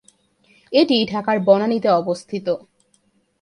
এটি ঢাকায় বনানী তে অবস্থিত।